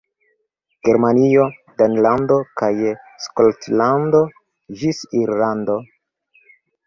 Germanio, Danlando kaj Skotlando, ĝis Irlando.